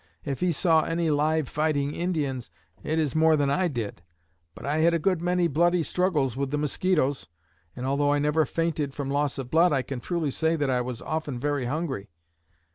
If he saw any live fighting Indians, it is more than I did, but I had a good many bloody struggles with the mosquitos, and although I never fainted from loss of blood I can truly say that I was often very hungry.